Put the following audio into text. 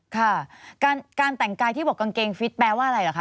ค่ะการแต่งกายที่บอกกางเกงฟิตแปลว่าอะไรเหรอคะ